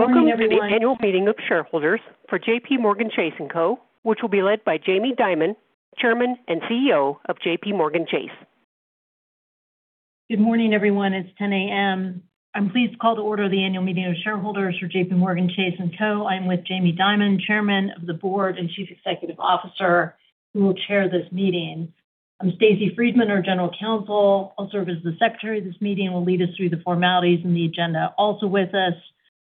Welcome to the annual meeting of shareholders for JPMorgan Chase & Co., which will be led by Jamie Dimon, Chairman and CEO of JPMorgan Chase. Good morning, everyone. It's 10:00 A.M. I'm pleased to call to order the annual meeting of shareholders for JPMorgan Chase & Co. I'm with Jamie Dimon, Chairman of the Board and Chief Executive Officer, who will Chair this meeting. I'm Stacey Friedman, our General Counsel. I'll serve as the Secretary of this meeting and will lead us through the formalities and the agenda. Also with us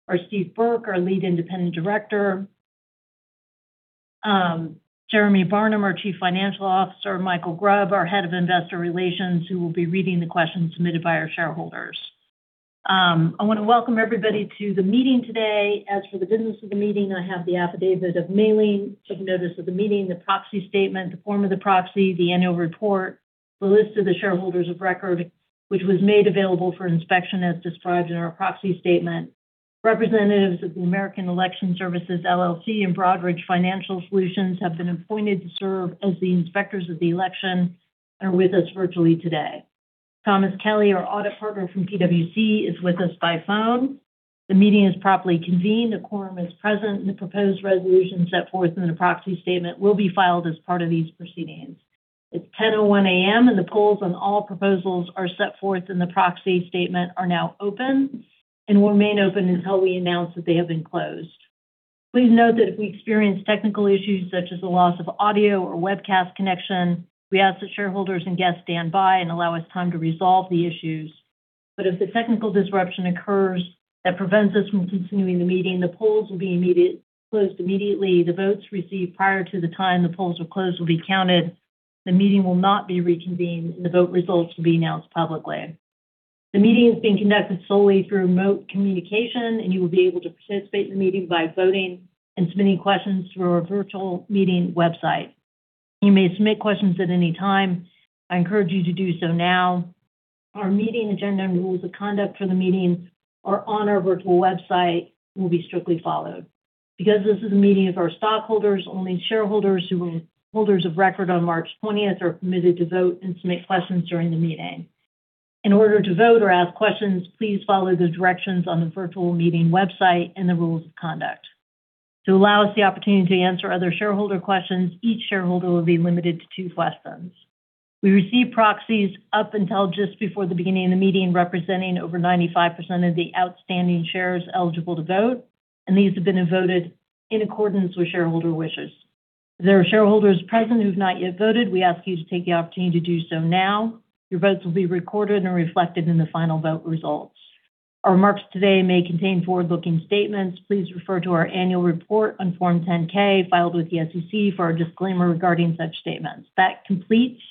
are Steve Burke, our Lead Independent Director, Jeremy Barnum, our Chief Financial Officer, Mikael Grubb, our Head of Investor Relations, who will be reading the questions submitted by our shareholders. I wanna welcome everybody to the meeting today. As for the business of the meeting, I have the affidavit of mailing, taking notice of the meeting, the proxy statement, the form of the proxy, the annual report, the list of the shareholders of record, which was made available for inspection as described in our proxy statement. Representatives of the American Election Services, LLC and Broadridge Financial Solutions have been appointed to serve as the inspectors of the election and are with us virtually today. Thomas Kelly, our audit partner from PwC, is with us by phone. The meeting is properly convened. A quorum is present, and the proposed resolution set forth in the proxy statement will be filed as part of these proceedings. It's 10:01 A.M., and the polls on all proposals are set forth in the proxy statement are now open and will remain open until we announce that they have been closed. Please note that if we experience technical issues such as the loss of audio or webcast connection, we ask that shareholders and guests stand by and allow us time to resolve the issues. If the technical disruption occurs that prevents us from continuing the meeting, the polls will be closed immediately. The votes received prior to the time the polls are closed will be counted. The meeting will not be reconvened, and the vote results will be announced publicly. The meeting is being conducted solely through remote communication, and you will be able to participate in the meeting by voting and submitting questions through our virtual meeting website. You may submit questions at any time. I encourage you to do so now. Our meeting agenda and rules of conduct for the meeting are on our virtual website and will be strictly followed. Because this is a meeting of our stockholders, only shareholders who were holders of record on March 20th are permitted to vote and submit questions during the meeting. In order to vote or ask questions, please follow the directions on the virtual meeting website and the rules of conduct. To allow us the opportunity to answer other shareholder questions, each shareholder will be limited to two questions. We received proxies up until just before the beginning of the meeting, representing over 95% of the outstanding shares eligible to vote, and these have been voted in accordance with shareholder wishes. If there are shareholders present who have not yet voted, we ask you to take the opportunity to do so now. Your votes will be recorded and reflected in the final vote results. Our remarks today may contain forward-looking statements. Please refer to our annual report on Form 10-K filed with the SEC for a disclaimer regarding such statements. That completes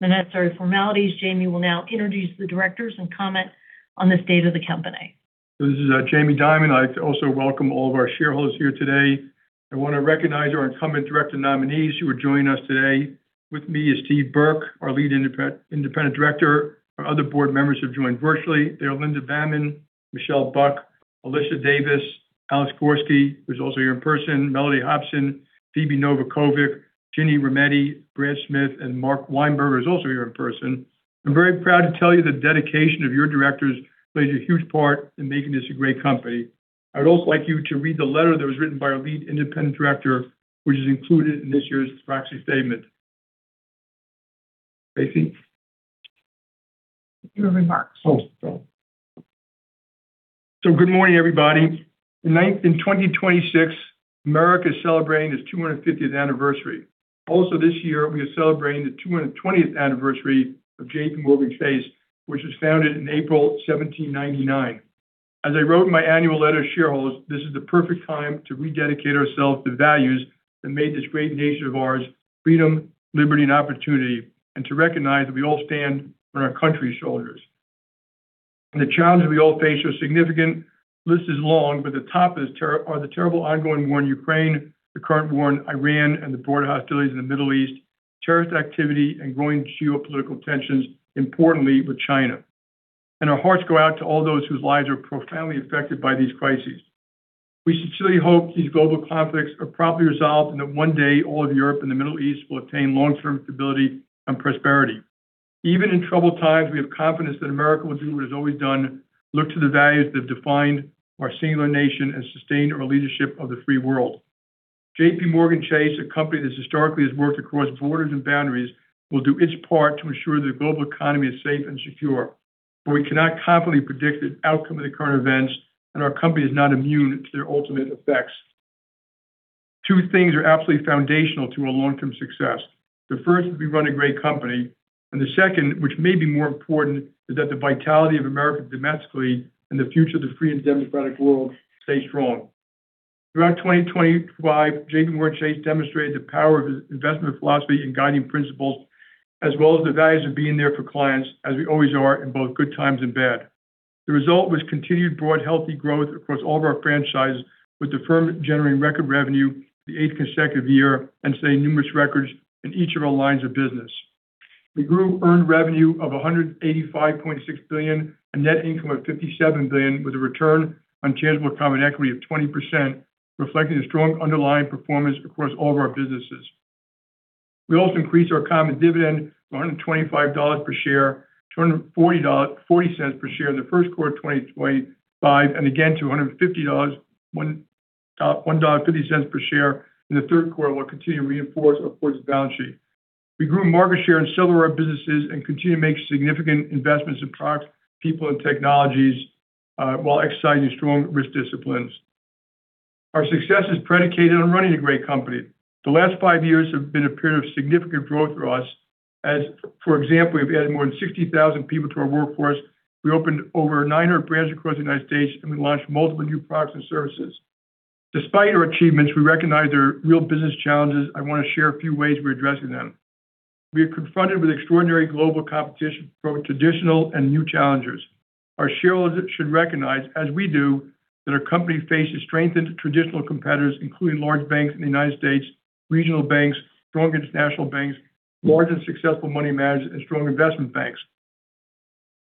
the necessary formalities. Jamie will now introduce the directors and comment on the state of the company. This is Jamie Dimon. I'd like to also welcome all of our shareholders here today. I want to recognize our incumbent director nominees who are joining us today. With me is Steve Burke, our lead independent director. Our other board members have joined virtually. They are Linda Bammann, Michele Buck, Alicia Davis, Alex Gorsky, who's also here in person, Mellody Hobson, Phebe Novakovic, Ginni Rometty, Brad Smith, and Mark Weinberger, who's also here in person. I'm very proud to tell you the dedication of your directors plays a huge part in making this a great company. I would also like you to read the letter that was written by our lead independent director, which is included in this year's proxy statement. Stacey? your remarks. Good morning, everybody. In 2026, America is celebrating its 250th anniversary. This year, we are celebrating the 220th anniversary of JPMorgan Chase, which was founded in April 1799. As I wrote in my annual letter to shareholders, this is the perfect time to rededicate ourselves to values that made this great nation of ours freedom, liberty, and opportunity, and to recognize that we all stand on our country's shoulders. The challenges we all face are significant. The list is long, but the top are the terrible ongoing war in Ukraine, the current war in Iran, and the broader hostilities in the Middle East, terrorist activity, and growing geopolitical tensions, importantly with China. Our hearts go out to all those whose lives are profoundly affected by these crises. We sincerely hope these global conflicts are promptly resolved and that one day all of Europe and the Middle East will attain long-term stability and prosperity. Even in troubled times, we have confidence that America will do what it has always done, look to the values that have defined our singular nation and sustain our leadership of the free world. JPMorgan Chase, a company that historically has worked across borders and boundaries, will do its part to ensure that the global economy is safe and secure. We cannot confidently predict the outcome of the current events, and our company is not immune to their ultimate effects. Two things are absolutely foundational to our long-term success. The first is we run a great company, and the second, which may be more important, is that the vitality of America domestically and the future of the free and democratic world stay strong. Throughout 2025, JPMorgan Chase demonstrated the power of its investment philosophy and guiding principles, as well as the values of being there for clients, as we always are in both good times and bad. The result was continued broad, healthy growth across all of our franchises, with the firm generating record revenue the eighth consecutive year and setting numerous records in each of our lines of business. We grew earned revenue of $185.6 billion and net income of $57 billion, with a return on tangible common equity of 20%, reflecting the strong underlying performance across all of our businesses. We also increased our common dividend to $1.25 per share, to $0.40 per share in the first quarter of 2025, and again to $1.50 per share in the third quarter while continuing to reinforce our core balance sheet. We grew market share in several of our businesses and continue to make significant investments in products, people, and technologies, while exercising strong risk disciplines. Our success is predicated on running a great company. The last five years have been a period of significant growth for us, as, for example, we've added more than 60,000 people to our workforce. We opened over 900 branches across the United States, and we launched multiple new products and services. Despite our achievements, we recognize there are real business challenges. I want to share a few ways we're addressing them. We are confronted with extraordinary global competition from both traditional and new challengers. Our shareholders should recognize, as we do, that our company faces strengthened traditional competitors, including large banks in the United States, regional banks, strong international banks, large and successful money managers, and strong investment banks.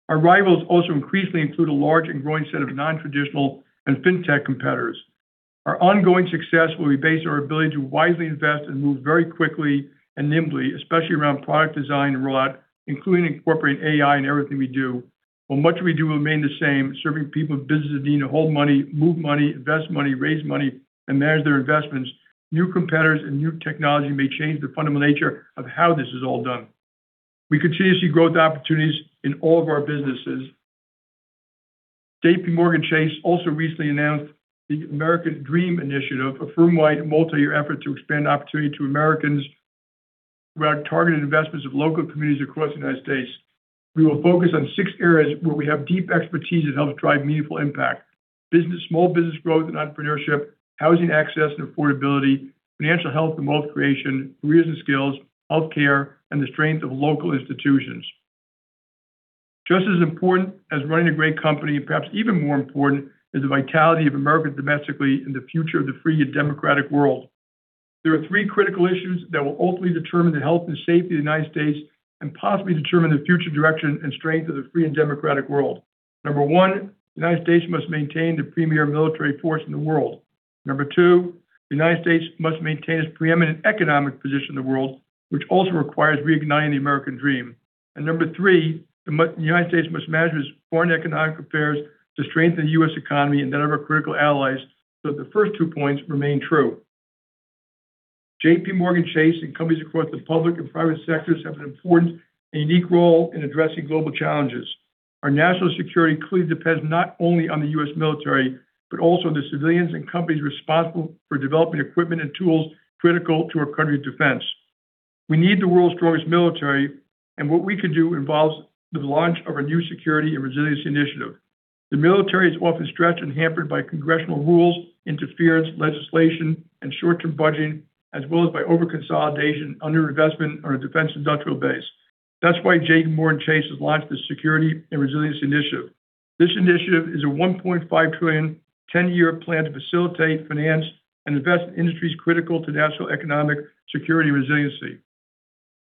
Our rivals also increasingly include a large and growing set of non-traditional and fintech competitors. Our ongoing success will be based on our ability to wisely invest and move very quickly and nimbly, especially around product design and rollout, including incorporating AI in everything we do. While much of what we do will remain the same, serving people and businesses needing to hold money, move money, invest money, raise money, and manage their investments, new competitors and new technology may change the fundamental nature of how this is all done. We continuously grow the opportunities in all of our businesses. JPMorgan Chase also recently announced the American Dream Initiative, a firm-wide multi-year effort to expand opportunity to Americans through our targeted investments of local communities across the United States. We will focus on six areas where we have deep expertise that helps drive meaningful impact: business, small business growth and entrepreneurship, housing access and affordability, financial health and wealth creation, careers and skills, healthcare, and the strength of local institutions. Just as important as running a great company, and perhaps even more important, is the vitality of America domestically and the future of the free and democratic world. There are three critical issues that will ultimately determine the health and safety of the U.S. and possibly determine the future direction and strength of the free and democratic world. Number one, the U.S. must maintain the premier military force in the world. Number two, the U.S. must maintain its preeminent economic position in the world, which also requires reigniting the American Dream. Number 3, the United States must manage its foreign economic affairs to strengthen the U.S. economy and that of our critical allies, so that the first 2 points remain true. JPMorgan Chase and companies across the public and private sectors have an important and unique role in addressing global challenges. Our national security clearly depends not only on the U.S. military, but also the civilians and companies responsible for developing equipment and tools critical to our country's defense. We need the world's strongest military, and what we can do involves the launch of our new Security and Resilience Initiative. The military is often stretched and hampered by congressional rules, interference, legislation, and short-term budgeting, as well as by overconsolidation, underinvestment in our defense industrial base. That's why JPMorgan Chase has launched the Security and Resilience Initiative. This initiative is a $1.5 trillion, 10-year plan to facilitate, finance, and invest in industries critical to national economic security and resilience.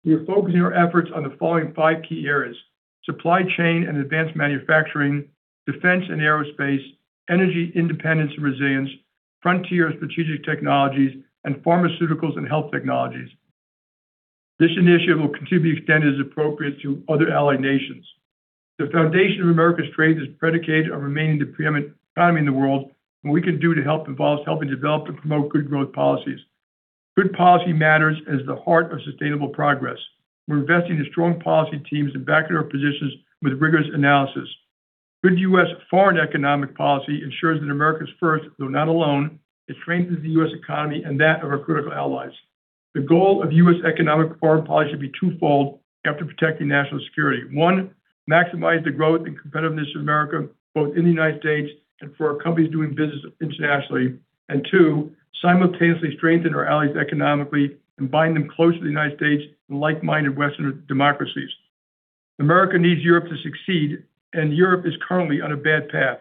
We are focusing our efforts on the following 5 key areas: supply chain and advanced manufacturing, defense and aerospace, energy independence and resilience, frontier strategic technologies, and pharmaceuticals and health technologies. This initiative will continue to be extended as appropriate to other allied nations. The foundation of America's trade is predicated on remaining the preeminent economy in the world, and what we can do to help involves helping develop and promote good growth policies. Good policy matters as the heart of sustainable progress. We're investing in strong policy teams that back their positions with rigorous analysis. Good U.S. foreign economic policy ensures that America is first, though not alone. It strengthens the U.S. economy and that of our critical allies. The goal of U.S. economic foreign policy should be twofold after protecting national security. One, maximize the growth and competitiveness of America, both in the United States and for our companies doing business internationally. Two, simultaneously strengthen our allies economically and bind them closer to the United States and like-minded Western democracies. America needs Europe to succeed, and Europe is currently on a bad path.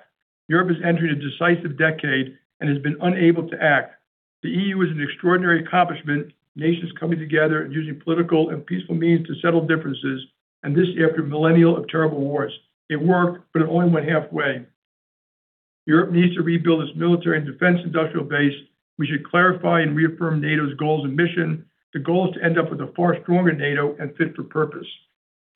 Europe is entering a decisive decade and has been unable to act. The EU is an extraordinary accomplishment, nations coming together and using political and peaceful means to settle differences, this after millennia of terrible wars. It worked, but it only went halfway. Europe needs to rebuild its military and defense industrial base. We should clarify and reaffirm NATO's goals and mission. The goal is to end up with a far stronger NATO and fit for purpose.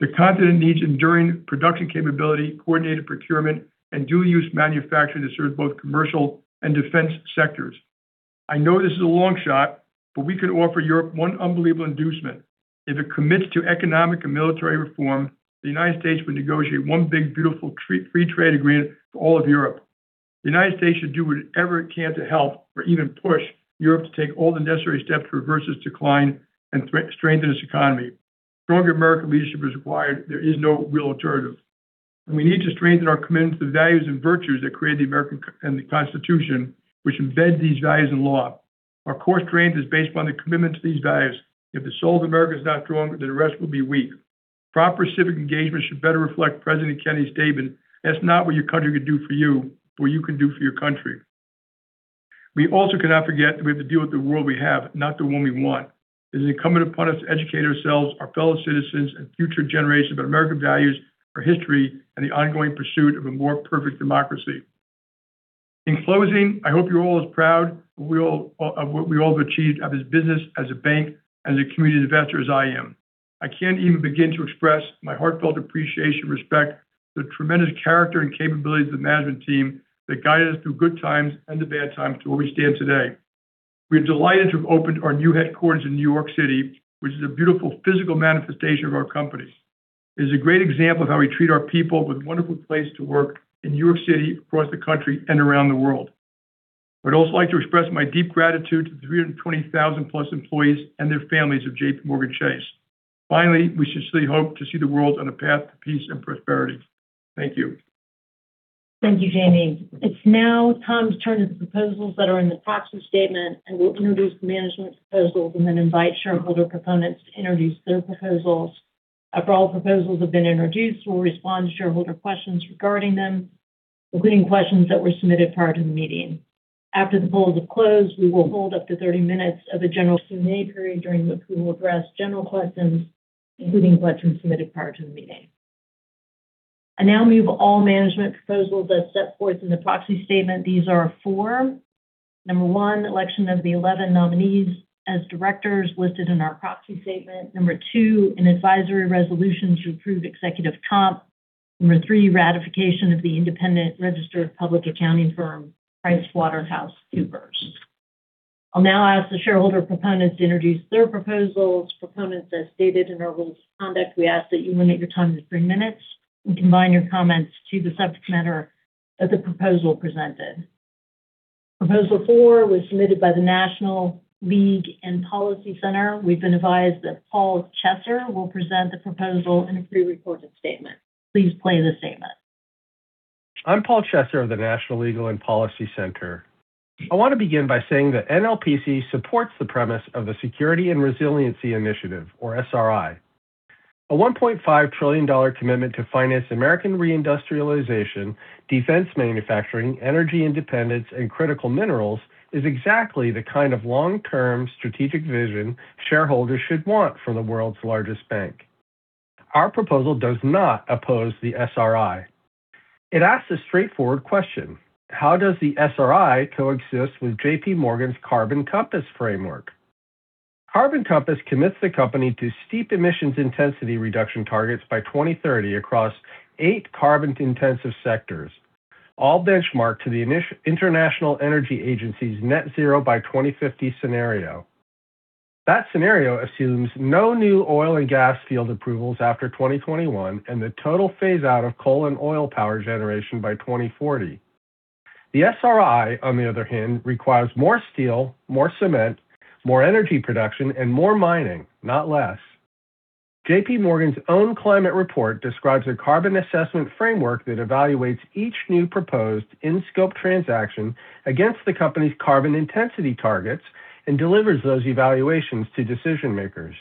The continent needs enduring production capability, coordinated procurement, and dual-use manufacturing that serves both commercial and defense sectors. I know this is a long shot. We could offer Europe one unbelievable inducement. If it commits to economic and military reform, the United States would negotiate one big, beautiful treaty, free trade agreement to all of Europe. The United States should do whatever it can to help or even push Europe to take all the necessary steps to reverse its decline and threat, strengthen its economy. Stronger American leadership is required. There is no real alternative. We need to strengthen our commitment to the values and virtues that created the American and the Constitution, which embeds these values in law. Our core strength is based upon the commitment to these values. If the soul of America is not strong, then the rest will be weak. Proper civic engagement should better reflect President Kennedy's statement, "Ask not what your country can do for you, but what you can do for your country." We also cannot forget that we have to deal with the world we have, not the one we want. It is incumbent upon us to educate ourselves, our fellow citizens, and future generations about American values, our history, and the ongoing pursuit of a more perfect democracy. In closing, I hope you're all as proud we all, of what we all have achieved of this business as a bank and as a community investor as I am. I can't even begin to express my heartfelt appreciation, respect, the tremendous character and capabilities of the management team that guided us through good times and the bad times to where we stand today. We're delighted to have opened our new headquarters in New York City, which is a beautiful physical manifestation of our company. It is a great example of how we treat our people with wonderful place to work in New York City, across the country, and around the world. I'd also like to express my deep gratitude to the 320,000+ employees and their families of JPMorgan Chase. We sincerely hope to see the world on a path to peace and prosperity. Thank you. Thank you, Jamie. It's now time to turn to the proposals that are in the proxy statement and we'll introduce the management proposals and then invite shareholder proponents to introduce their proposals. After all proposals have been introduced, we'll respond to shareholder questions regarding them, including questions that were submitted prior to the meeting. After the polls have closed, we will hold up to 30 min of a general Q&A period during which we will address general questions, including questions submitted prior to the meeting. I now move all management proposals as set forth in the proxy statement. These are four. Number 1, election of the 11 nominees as directors listed in our proxy statement. Number 2, an advisory resolution to approve executive comp. Number 3, ratification of the independent registered public accounting firm, PricewaterhouseCoopers. I'll now ask the shareholder proponents to introduce their proposals. Proponents, as stated in our rules of conduct, we ask that you limit your time to three minutes and combine your comments to the subject matter of the proposal presented. Proposal four was submitted by the National Legal and Policy Center. We've been advised that Paul Chesser will present the proposal in a pre-recorded statement. Please play the statement. I'm Paul Chesser of the National Legal and Policy Center. I want to begin by saying that NLPC supports the premise of the Security and Resiliency Initiative, or SRI. A $1.5 trillion commitment to finance American reindustrialization, defense manufacturing, energy independence, and critical minerals is exactly the kind of long-term strategic vision shareholders should want from the world's largest bank. Our proposal does not oppose the SRI. It asks a straightforward question: How does the SRI coexist with JPMorgan's Carbon Compass framework? Carbon Compass commits the company to steep emissions intensity reduction targets by 2030 across eight carbon-intensive sectors, all benchmarked to the International Energy Agency's Net Zero by 2050 scenario. That scenario assumes no new oil and gas field approvals after 2021 and the total phase out of coal and oil power generation by 2040. The SRI, on the other hand, requires more steel, more cement, more energy production, and more mining, not less. JPMorgan's own climate report describes a Carbon Compass assessment framework that evaluates each new proposed in-scope transaction against the company's carbon intensity targets and delivers those evaluations to decision-makers.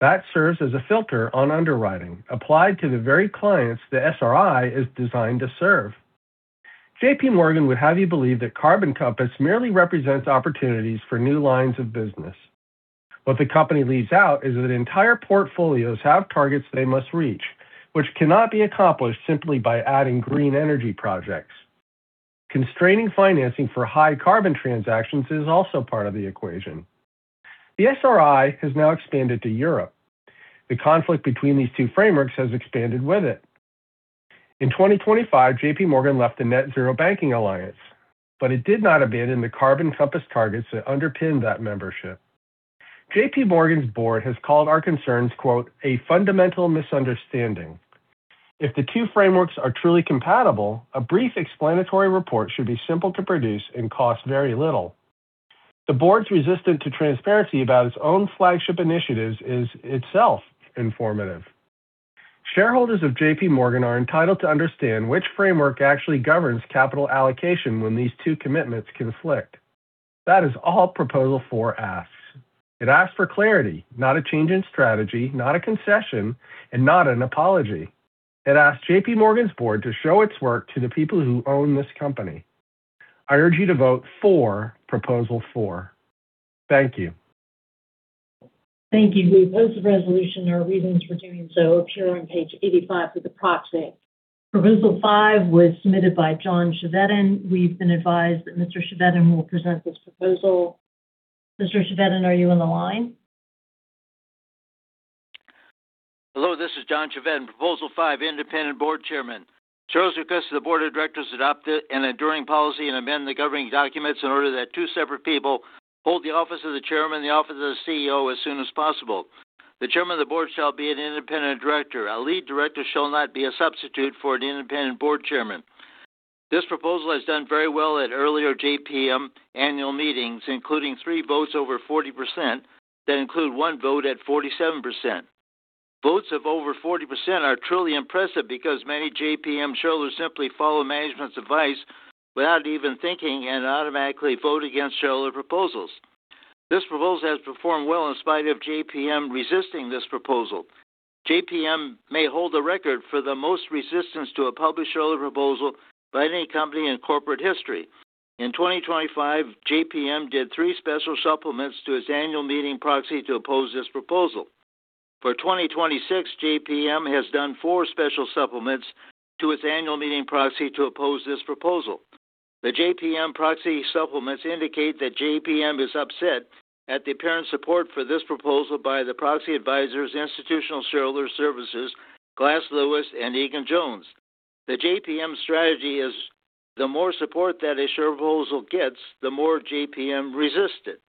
That serves as a filter on underwriting applied to the very clients the SRI is designed to serve. JPMorgan would have you believe that Carbon Compass merely represents opportunities for new lines of business. What the company leaves out is that entire portfolios have targets they must reach, which cannot be accomplished simply by adding green energy projects. Constraining financing for high carbon transactions is also part of the equation. The SRI has now expanded to Europe. The conflict between these two frameworks has expanded with it. In 2025, JPMorgan left the Net-Zero Banking Alliance. It did not abandon the Carbon Compass targets that underpinned that membership. JPMorgan's Board has called our concerns, quote, "a fundamental misunderstanding." If the two frameworks are truly compatible, a brief explanatory report should be simple to produce and cost very little. The Board's resistance to transparency about its own flagship initiatives is itself informative. Shareholders of JPMorgan are entitled to understand which framework actually governs capital allocation when these two commitments conflict. That is all Proposal 4 asks. It asks for clarity, not a change in strategy, not a concession, and not an apology. It asks JPMorgan's Board to show its work to the people who own this company. I urge you to vote for proposal 4. Thank you. Thank you. We oppose the resolution. Our reasons for doing so appear on page 85 of the proxy. Proposal 5 was submitted by John Chevedden. We've been advised that Mr. Chevedden will present this proposal. Mr. Chevedden, are you on the line? Hello, this is John Chevedden. Proposal 5, independent board chairman. Shares request that the board of directors adopt an enduring policy and amend the governing documents in order that two separate people hold the office of the chairman and the office of the CEO as soon as possible. The chairman of the board shall be an independent director. A lead director shall not be a substitute for an independent board chairman. This proposal has done very well at earlier JPM annual meetings, including three votes over 40%, that include 1 vote at 47%. Votes of over 40% are truly impressive because many JPM shareholders simply follow management's advice without even thinking and automatically vote against shareholder proposals. This proposal has performed well in spite of JPM resisting this proposal. JPM may hold the record for the most resistance to a published shareholder proposal by any company in corporate history. In 2025, JPM did three special supplements to its annual meeting proxy to oppose this proposal. For 2026, JPM has done four special supplements to its annual meeting proxy to oppose this proposal. The JPM proxy supplements indicate that JPM is upset at the apparent support for this proposal by the proxy advisors Institutional Shareholder Services, Glass Lewis, and Egan-Jones. The JPM strategy is the more support that a shareholder proposal gets, the more JPM resists it.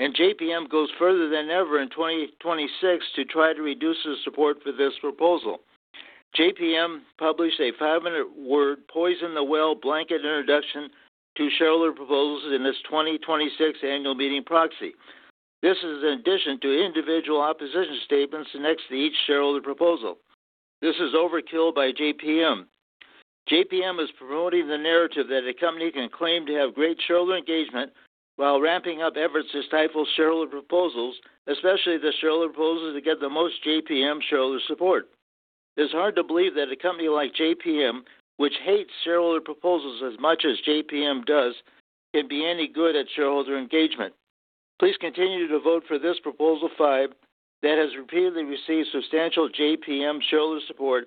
JPM goes further than ever in 2026 to try to reduce the support for this proposal. JPM published a five-minute word poison the well blanket introduction to shareholder proposals in its 2026 annual meeting proxy. This is in addition to individual opposition statements next to each shareholder proposal. This is overkill by JPM. JPM is promoting the narrative that a company can claim to have great shareholder engagement while ramping up efforts to stifle shareholder proposals, especially the shareholder proposals that get the most JPM shareholder support. It's hard to believe that a company like JPM, which hates shareholder proposals as much as JPM does, can be any good at shareholder engagement. Please continue to vote for this Proposal 5 that has repeatedly received substantial JPM shareholder support.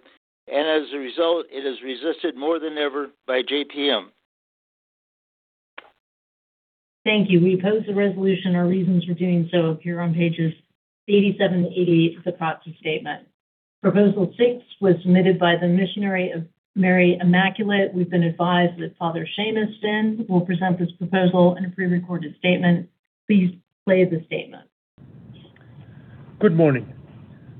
As a result, it is resisted more than ever by JPM. Thank you. We oppose the resolution. Our reasons for doing so appear on pages 87 to 88 of the proxy statement. Proposal 6 was submitted by the Missionary Oblates of Mary Immaculate. We've been advised that Father Séamus Finn will present this proposal in a pre-recorded statement. Please play the statement. Good morning.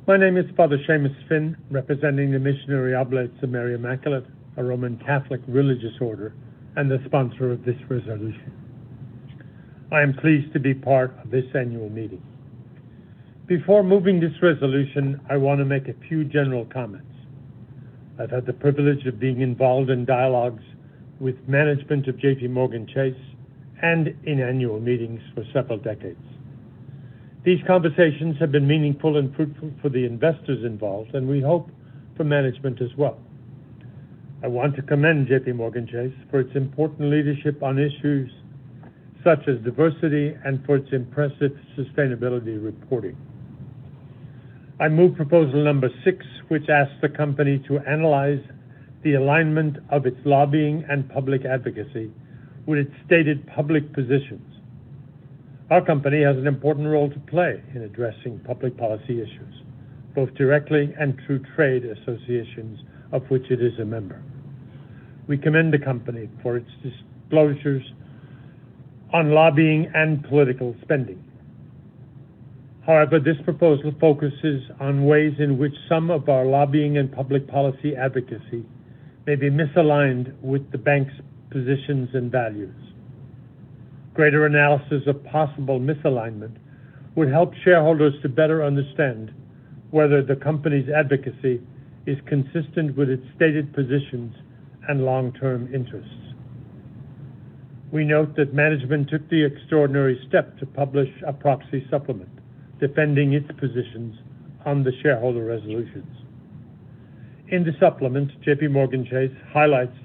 My name is Father Séamus Finn, representing the Missionary Oblates of Mary Immaculate, a Roman Catholic religious order, and the sponsor of this resolution. I am pleased to be part of this annual meeting. Before moving this resolution, I want to make a few general comments. I've had the privilege of being involved in dialogues with management of JPMorgan Chase and in annual meetings for several decades. These conversations have been meaningful and fruitful for the investors involved, and we hope for management as well. I want to commend JPMorgan Chase for its important leadership on issues such as diversity and for its impressive sustainability reporting. I move proposal number 6, which asks the company to analyze the alignment of its lobbying and public advocacy with its stated public positions. Our company has an important role to play in addressing public policy issues, both directly and through trade associations of which it is a member. We commend the company for its disclosures on lobbying and political spending. This proposal focuses on ways in which some of our lobbying and public policy advocacy may be misaligned with the bank's positions and values. Greater analysis of possible misalignment would help shareholders to better understand whether the company's advocacy is consistent with its stated positions and long-term interests. We note that management took the extraordinary step to publish a proxy supplement defending its positions on the shareholder resolutions. In the supplement, JPMorgan Chase highlights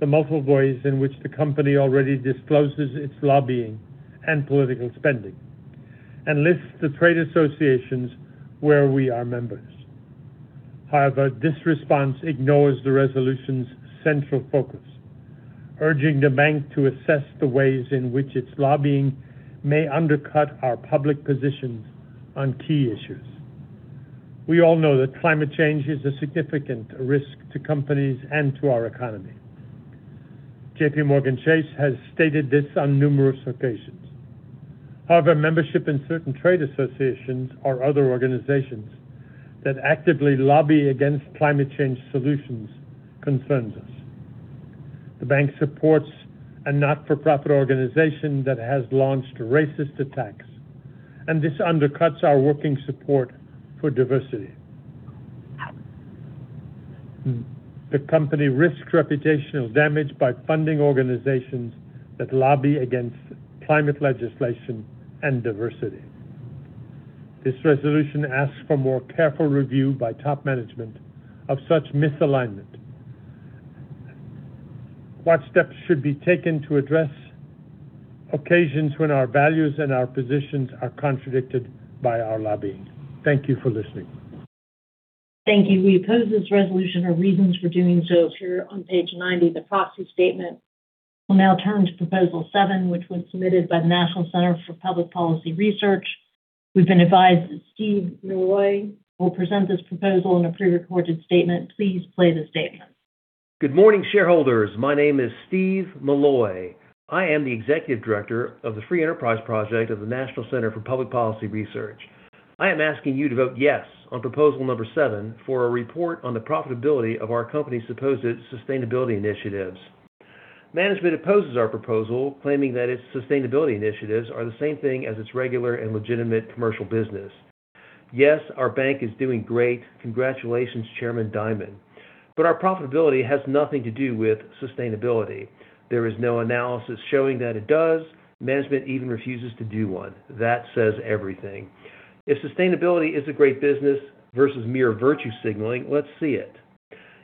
the multiple ways in which the company already discloses its lobbying and political spending and lists the trade associations where we are members. This response ignores the resolution's central focus, urging the bank to assess the ways in which its lobbying may undercut our public positions on key issues. We all know that climate change is a significant risk to companies and to our economy. JPMorgan Chase has stated this on numerous occasions. Membership in certain trade associations or other organizations that actively lobby against climate change solutions concerns us. The bank supports a not-for-profit organization that has launched racist attacks, and this undercuts our working support for diversity. The company risks reputational damage by funding organizations that lobby against climate legislation and diversity. This resolution asks for more careful review by top management of such misalignment. What steps should be taken to address occasions when our values and our positions are contradicted by our lobbying? Thank you for listening. Thank you. We oppose this resolution. Our reasons for doing so appear on page 90 of the proxy statement. We'll now turn to proposal 7, which was submitted by the National Center for Public Policy Research. We've been advised that Steve Milloy will present this proposal in a pre-recorded statement. Please play the statement. Good morning, shareholders. My name is Steve Milloy. I am the Executive Director of the Free Enterprise Project of the National Center for Public Policy Research. I am asking you to vote yes on proposal number 7 for a report on the profitability of our company's supposed sustainability initiatives. Management opposes our proposal, claiming that its sustainability initiatives are the same thing as its regular and legitimate commercial business. Yes, our bank is doing great. Congratulations, Chairman Dimon. Our profitability has nothing to do with sustainability. There is no analysis showing that it does. Management even refuses to do one. That says everything. If sustainability is a great business versus mere virtue signaling, let's see it.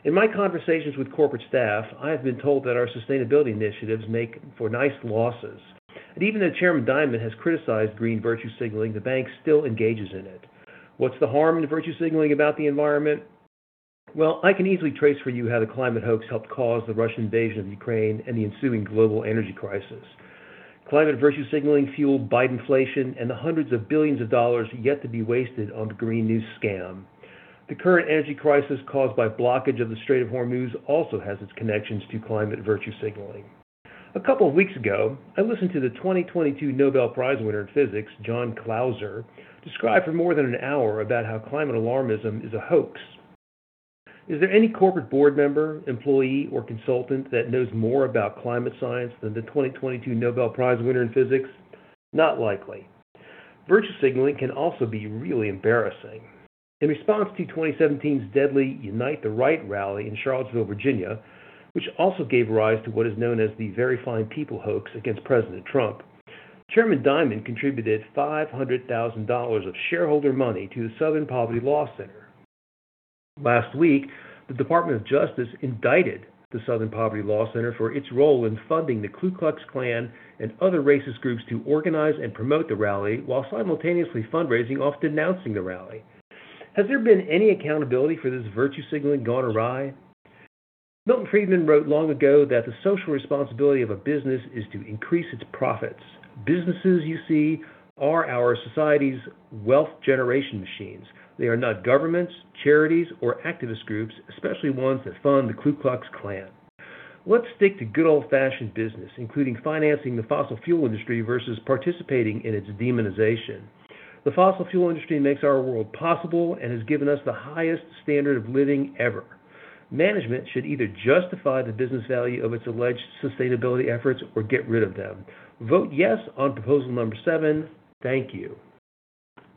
In my conversations with corporate staff, I have been told that our sustainability initiatives make for nice losses. Even though Chairman Dimon has criticized green virtue signaling, the bank still engages in it. What's the harm in virtue signaling about the environment? Well, I can easily trace for you how the climate hoax helped cause the Russian invasion of Ukraine and the ensuing global energy crisis. Climate virtue signaling fueled Biden inflation and the hundreds of billions of dollars yet to be wasted on the green new scam. The current energy crisis caused by blockage of the Strait of Hormuz also has its connections to climate virtue signaling. A couple of weeks ago, I listened to the 2022 Nobel Prize winner in Physics, John Clauser, describe for more than an hour about how climate alarmism is a hoax. Is there any corporate board member, employee, or consultant that knows more about climate science than the 2022 Nobel Prize winner in Physics? Not likely. Virtue signaling can also be really embarrassing. In response to 2017's deadly Unite the Right rally in Charlottesville, Virginia, which also gave rise to what is known as the Very Fine People hoax against President Trump, Chairman Dimon contributed $500,000 of shareholder money to the Southern Poverty Law Center. Last week, the Department of Justice indicted the Southern Poverty Law Center for its role in funding the Ku Klux Klan and other racist groups to organize and promote the rally while simultaneously fundraising off denouncing the rally. Has there been any accountability for this virtue signaling gone awry? Milton Friedman wrote long ago that the social responsibility of a business is to increase its profits. Businesses, you see, are our society's wealth generation machines. They are not governments, charities, or activist groups, especially ones that fund the Ku Klux Klan. Let's stick to good old-fashioned business, including financing the fossil fuel industry versus participating in its demonization. The fossil fuel industry makes our world possible and has given us the highest standard of living ever. Management should either justify the business value of its alleged sustainability efforts or get rid of them. Vote yes on proposal number 7. Thank you.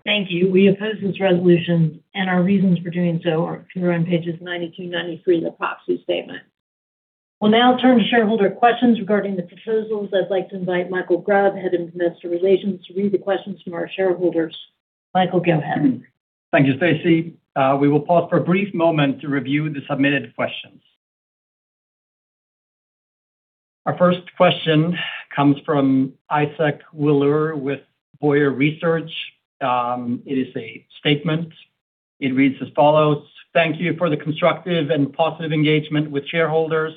Thank you. We oppose this resolution. Our reasons for doing so can be found on pages 92, 93 in the proxy statement. We'll now turn to shareholder questions regarding the proposals. I'd like to invite Mikael Grubb, Head of Investor Relations, to read the questions from our shareholders. Mikael, go ahead. Thank you, Stacey. We will pause for a brief moment to review the submitted questions. Our first question comes from Isaac Willour with Bowyer Research. It is a statement. It reads as follows: Thank you for the constructive and positive engagement with shareholders.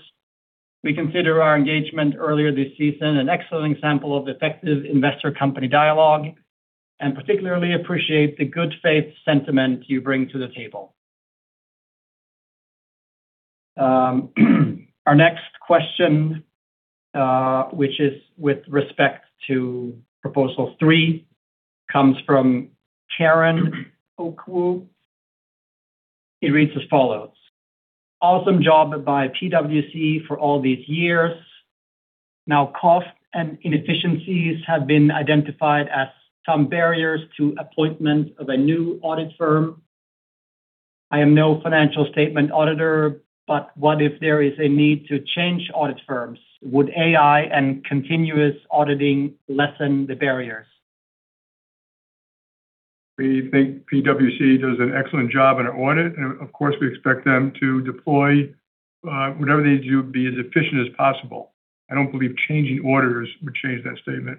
We consider our engagement earlier this season an excellent example of effective investor-company dialogue, and particularly appreciate the good faith sentiment you bring to the table. Our next question, which is with respect to proposal 3, comes from Karen Okwu. It reads as follows: Awesome job by PwC for all these years. Cost and inefficiencies have been identified as some barriers to appointment of a new audit firm. I am no financial statement auditor, what if there is a need to change audit firms? Would AI and continuous auditing lessen the barriers? We think PwC does an excellent job in our audit. Of course, we expect them to deploy whatever they do, be as efficient as possible. I don't believe changing auditors would change that statement.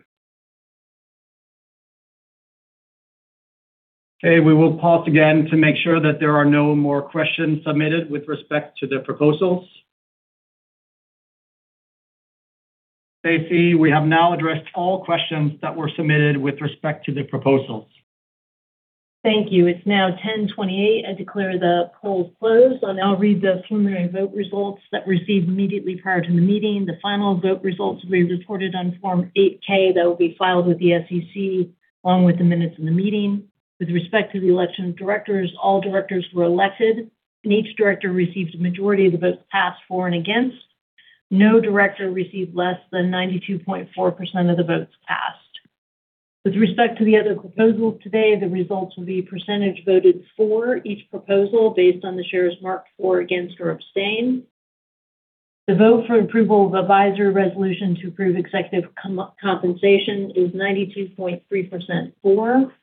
We will pause again to make sure that there are no more questions submitted with respect to the proposals. Stacey, we have now addressed all questions that were submitted with respect to the proposals. Thank you. It's now 10:28. I declare the poll closed. I will now read the preliminary vote results that were received immediately prior to the meeting. The final vote results will be reported on Form 8-K. That will be filed with the SEC, along with the minutes of the meeting. With respect to the election of directors, all directors were elected, and each director received a majority of the votes cast for and against. No director received less than 92.4% of the votes cast. With respect to the other proposals today, the results will be percentage voted for each proposal based on the shares marked for, against, or abstain. The vote for approval of advisory resolution to approve executive compensation is 92.3% for.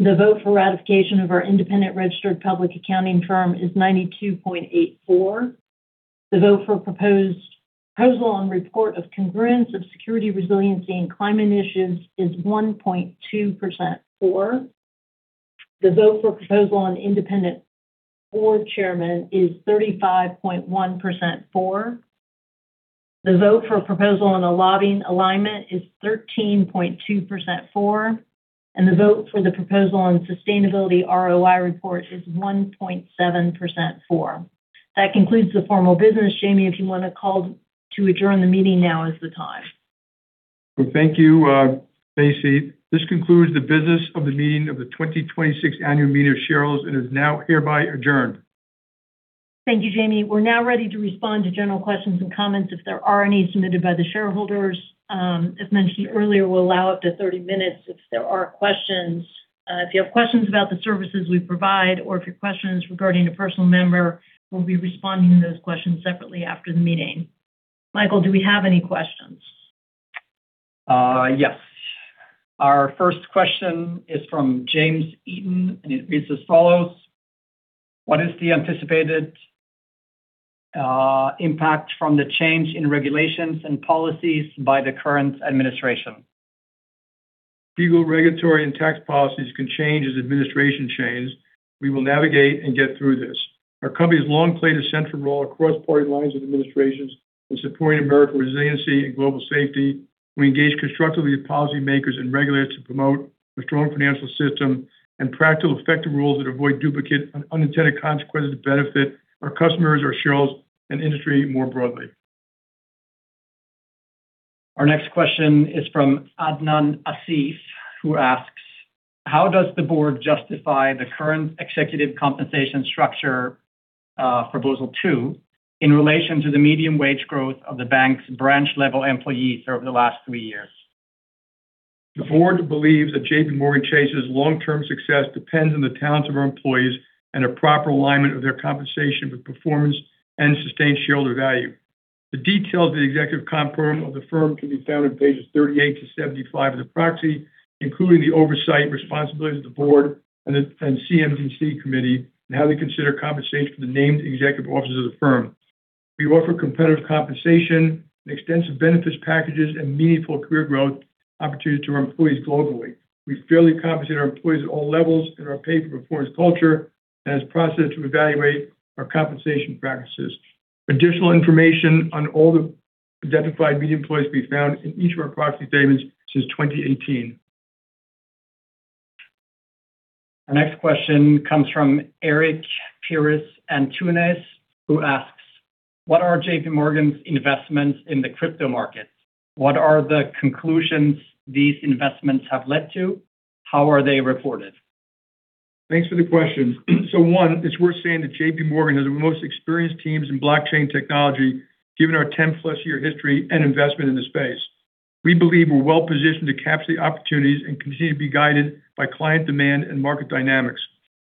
The vote for ratification of our independent registered public accounting firm is 92.84%. The vote for proposed proposal on report of congruence of security, resiliency, and climate initiatives is 1.2% for. The vote for proposal on independent board chairman is 35.1% for. The vote for a proposal on a lobbying alignment is 13.2% for. The vote for the proposal on sustainability ROI report is 1.7% for. That concludes the formal business. Jamie, if you wanna call to adjourn the meeting, now is the time. Thank you, Stacey. This concludes the business of the meeting of the 2026 annual meeting of shareholders and is now hereby adjourned. Thank you, Jamie. We're now ready to respond to general questions and comments if there are any submitted by the shareholders. As mentioned earlier, we'll allow up to 30 min if there are questions. If you have questions about the services we provide or if your question is regarding a personal member, we'll be responding to those questions separately after the meeting. Mikael Grubb, do we have any questions? Yes. Our first question is from James Eaton, and it reads as follows. What is the anticipated impact from the change in regulations and policies by the current administration? Legal, regulatory, and tax policies can change as administration change. We will navigate and get through this. Our company has long played a central role across party lines and administrations in supporting American resiliency and global safety. We engage constructively with policymakers and regulators to promote a strong financial system and practical effective rules that avoid duplicate and unintended consequences that benefit our customers, our shareholders, and industry more broadly. Our next question is from Adnan Asif, who asks, "How does the board justify the current executive compensation structure, proposal 2, in relation to the medium wage growth of the bank's branch-level employees over the last three years? The board believes that JPMorgan Chase's long-term success depends on the talents of our employees and a proper alignment of their compensation with performance and sustained shareholder value. The details of the executive comp firm of the firm can be found on pages 38-75 of the proxy, including the oversight, responsibilities of the board and the CMDC committee, and how they consider compensation for the named executive officers of the firm. We offer competitive compensation and extensive benefits packages and meaningful career growth opportunities to our employees globally. We fairly compensate our employees at all levels and our pay for performance culture, and has a process to evaluate our compensation practices. Additional information on all the identified median employees can be found in each of our proxy statements since 2018. Our next question comes from Eric Pires Antunes, who asks, "What are JPMorgan's investments in the crypto market? What are the conclusions these investments have led to? How are they reported? Thanks for the question. One, it's worth saying that JPMorgan has the most experienced teams in blockchain technology, given our 10-plus year history and investment in the space. We believe we're well-positioned to capture the opportunities and continue to be guided by client demand and market dynamics.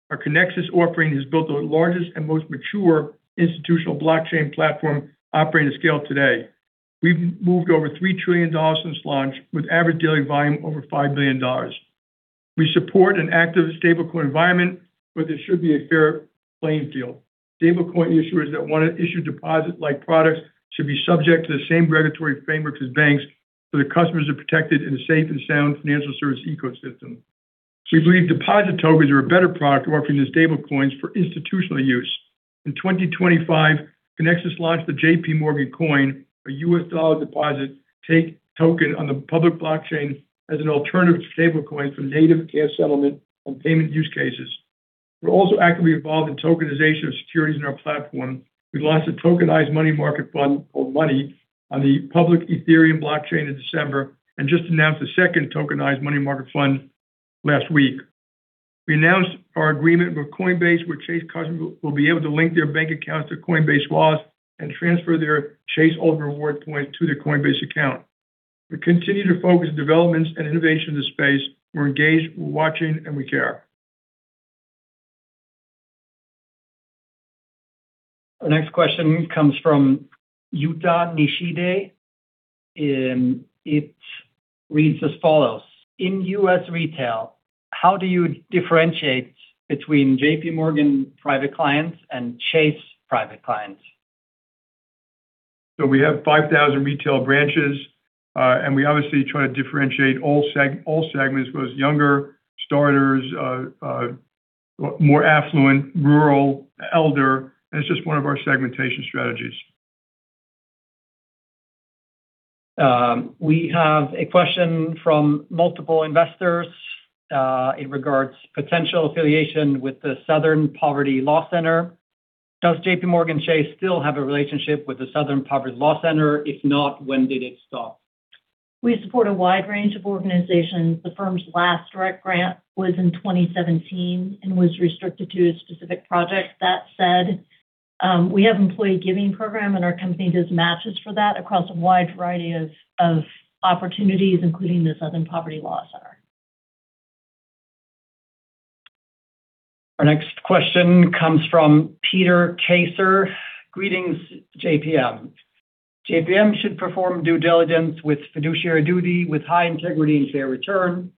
Our Kinexys offering has built the largest and most mature institutional blockchain platform operating scale today. We've moved over $3 trillion since launch with average daily volume over $5 billion. We support an active stablecoin environment, but there should be a fair playing field. Stablecoin issuers that wanna issue deposit-like products should be subject to the same regulatory frameworks as banks, so their customers are protected in a safe and sound financial service ecosystem. We believe deposit tokens are a better product offering than stablecoins for institutional use. In 2025, Kinexys launched the JPM Coin, a U.S. dollar deposit take, token on the public blockchain as an alternative to stablecoin for native cash settlement on payment use cases. We're also actively involved in tokenization of securities in our platform. We launched a tokenized money market fund called MONY on the public Ethereum blockchain in December and just announced a second tokenized money market fund last week. We announced our agreement with Coinbase, where Chase customers will be able to link their bank accounts to Coinbase wallets and transfer their Chase Ultimate Rewards points to their Coinbase account. We continue to focus developments and innovation in the space. We're engaged, we're watching, and we care. Our next question comes from Yuta Nishide. It reads as follows: In U.S. retail, how do you differentiate between J.P. Morgan Private Clients and Chase Private Clients? We have 5,000 retail branches, and we obviously try to differentiate all segments, whether it's younger, starters, more affluent, rural, elder, and it's just one of our segmentation strategies. We have a question from multiple investors, in regards potential affiliation with the Southern Poverty Law Center. Does JPMorgan Chase still have a relationship with the Southern Poverty Law Center? If not, when did it stop? We support a wide range of organizations. The firm's last direct grant was in 2017 and was restricted to a specific project. That said, we have employee giving program, our company does matches for that across a wide variety of opportunities, including the Southern Poverty Law Center. Our next question comes from Peter Kacer. Greetings, JPM. JPM should perform due diligence with fiduciary duty with high integrity and fair return.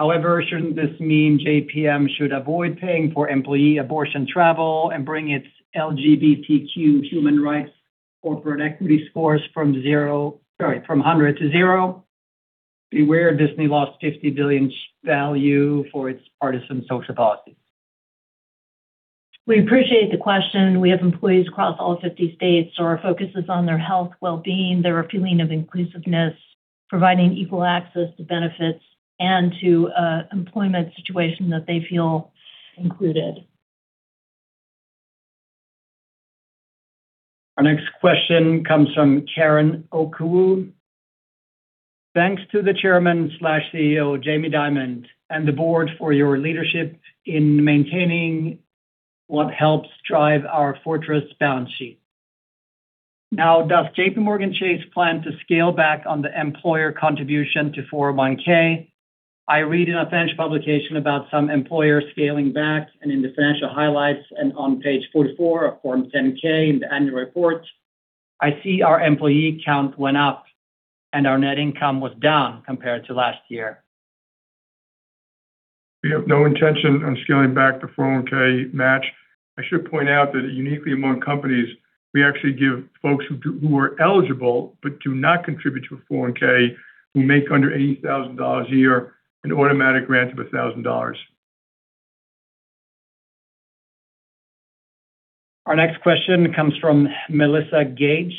Shouldn't this mean JPM should avoid paying for employee abortion travel and bring its LGBTQ human rights corporate equity scores from 100-0. Beware, Disney lost $50 billion value for its partisan social policy. We appreciate the question. We have employees across all 50 states, so our focus is on their health, well-being, their feeling of inclusiveness, providing equal access to benefits and to employment situation that they feel included. Our next question comes from Karen Okwu. Thanks to the Chairman/CEO, Jamie Dimon, and the board for your leadership in maintaining what helps drive our fortress balance sheet. Does JPMorgan Chase plan to scale back on the employer contribution to 401(k)? I read in a financial publication about some employers scaling back and in the financial highlights and on page 44 of Form 10-K in the annual report, I see our employee count went up and our net income was down compared to last year. We have no intention on scaling back the 401(k) match. I should point out that uniquely among companies, we actually give folks who are eligible but do not contribute to a 401(k), who make under $80,000 a year, an automatic grant of $1,000. Our next question comes from Melissa Gage.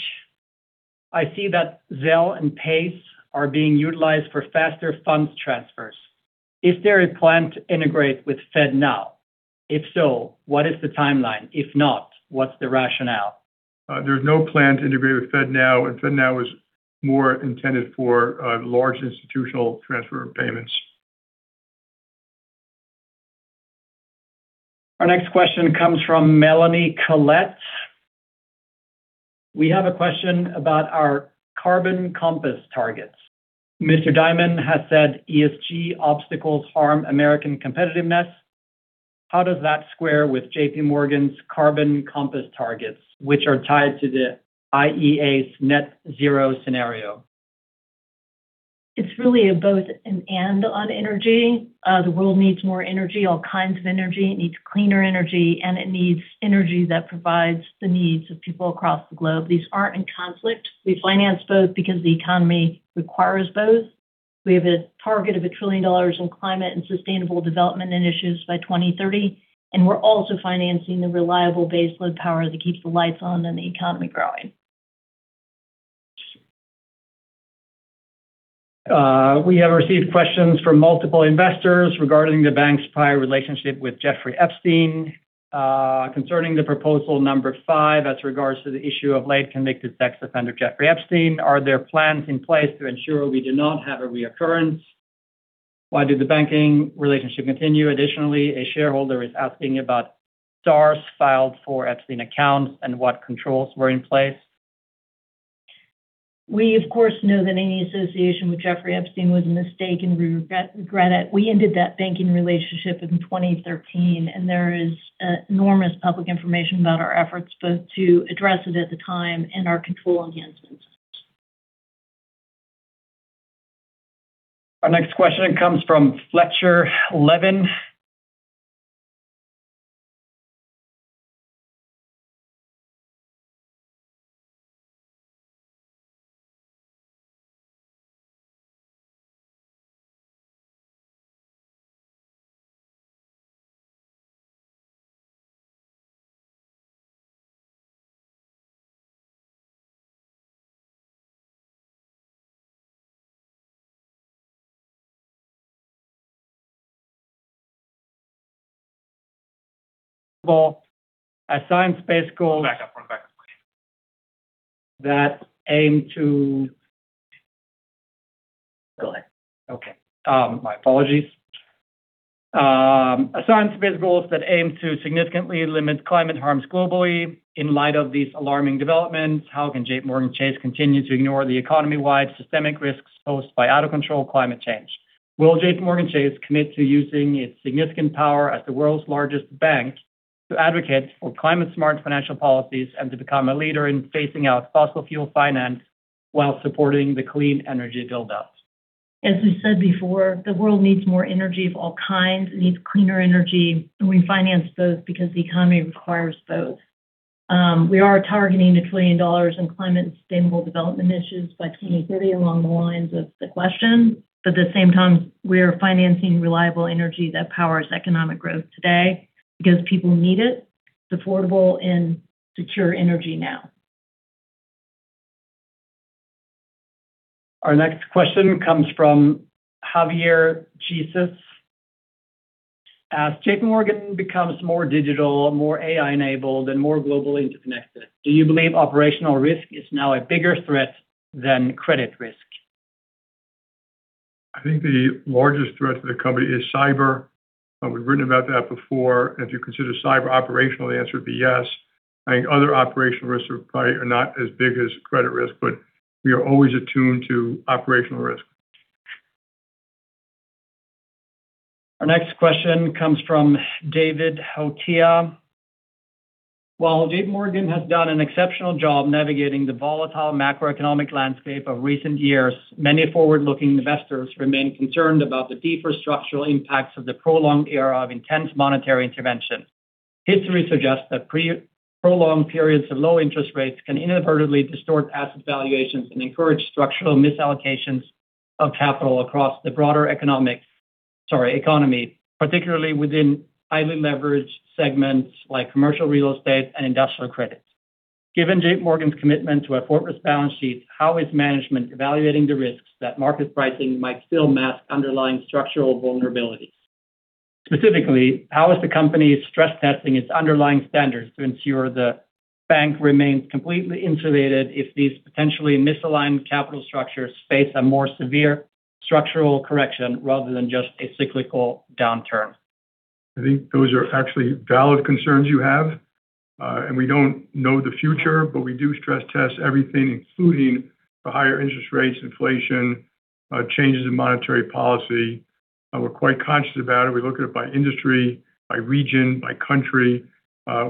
I see that Zelle and Paze are being utilized for faster funds transfers. Is there a plan to integrate with FedNow? If so, what is the timeline? If not, what's the rationale? There's no plan to integrate with FedNow, and FedNow is more intended for large institutional transfer of payments. Our next question comes from Melanie Colette. We have a question about our Carbon Compass targets. Mr. Dimon has said ESG obstacles harm American competitiveness. How does that square with JPMorgan's Carbon Compass targets, which are tied to the IEA's net zero scenario? It's really a both and on energy. The world needs more energy, all kinds of energy. It needs cleaner energy, and it needs energy that provides the needs of people across the globe. These aren't in conflict. We finance both because the economy requires both. We have a target of $1 trillion in climate and sustainable development initiatives by 2030, and we're also financing the reliable baseload power that keeps the lights on and the economy growing. We have received questions from multiple investors regarding the bank's prior relationship with Jeffrey Epstein. Concerning the proposal number 5 as regards to the issue of late convicted sex offender Jeffrey Epstein, are there plans in place to ensure we do not have a reoccurrence? Why did the banking relationship continue? Additionally, a shareholder is asking about SARs filed for Epstein accounts and what controls were in place. We, of course, know that any association with Jeffrey Epstein was a mistake. We regret it. We ended that banking relationship in 2013. There is enormous public information about our efforts both to address it at the time and our control enhancements. Our next question comes from Fletcher Levin. Back up 1. That aim to Go ahead. Okay. My apologies. A science-based goals that aim to significantly limit climate harms globally. In light of these alarming developments, how can JPMorgan Chase continue to ignore the economy-wide systemic risks posed by out-of-control climate change? Will JPMorgan Chase commit to using its significant power as the world's largest bank to advocate for climate-smart financial policies and to become a leader in phasing out fossil fuel finance while supporting the clean energy build-ups? As we said before, the world needs more energy of all kinds. It needs cleaner energy. We finance both because the economy requires both. We are targeting $1 trillion in climate and sustainable development initiatives by 2030, along the lines of the question. At the same time, we are financing reliable energy that powers economic growth today because people need it. It's affordable and secure energy now. Our next question comes from Javier Jesus. As JPMorgan becomes more digital, more AI-enabled, and more globally interconnected, do you believe operational risk is now a bigger threat than credit risk? I think the largest threat to the company is cyber. We've written about that before. If you consider cyber operational, the answer would be yes. I think other operational risks are probably not as big as credit risk, but we are always attuned to operational risk. Our next question comes from David Hotea. While JPMorgan has done an exceptional job navigating the volatile macroeconomic landscape of recent years, many forward-looking investors remain concerned about the deeper structural impacts of the prolonged era of intense monetary intervention. History suggests that prolonged periods of low interest rates can inadvertently distort asset valuations and encourage structural misallocations of capital across the broader economic, sorry, economy, particularly within highly leveraged segments like commercial real estate and industrial credit. Given JPMorgan's commitment to a fortress balance sheet, how is management evaluating the risks that market pricing might still mask underlying structural vulnerabilities? Specifically, how is the company stress testing its underlying standards to ensure the bank remains completely insulated if these potentially misaligned capital structures face a more severe structural correction rather than just a cyclical downturn? I think those are actually valid concerns you have. We don't know the future, but we do stress test everything, including the higher interest rates, inflation, changes in monetary policy. We're quite conscious about it. We look at it by industry, by region, by country.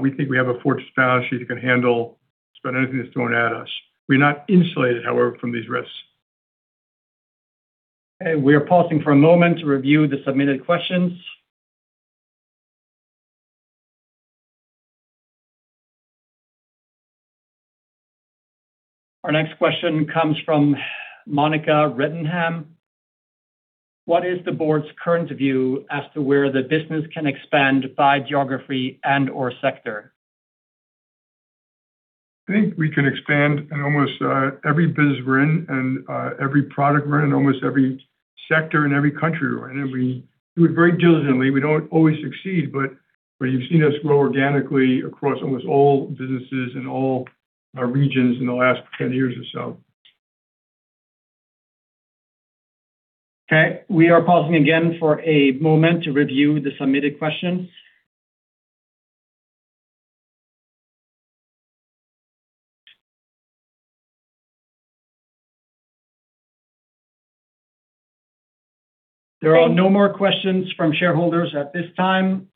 We think we have a fortress balance sheet that can handle just about anything that's thrown at us. We're not insulated, however, from these risks. Okay, we are pausing for a moment to review the submitted questions. Our next question comes from Monica Rettenham. What is the board's current view as to where the business can expand by geography and/or sector? I think we can expand in almost every business we're in and every product we're in, almost every sector and every country we're in. We do it very diligently. We don't always succeed, but you've seen us grow organically across almost all businesses in all regions in the last 10 years or so. Okay, we are pausing again for a moment to review the submitted questions. There are no more questions from shareholders at this time.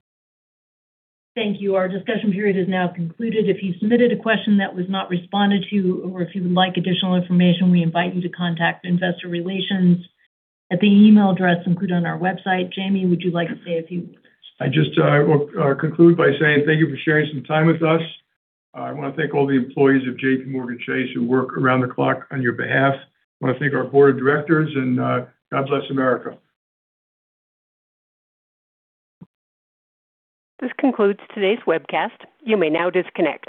Thank you. Our discussion period is now concluded. If you submitted a question that was not responded to or if you would like additional information, we invite you to contact investor relations at the email address included on our website. Jamie, would you like to say a few words? I just will conclude by saying thank you for sharing some time with us. I wanna thank all the employees of JPMorgan Chase who work around the clock on your behalf. I wanna thank our board of directors and God bless America. This concludes today's webcast. You may now disconnect.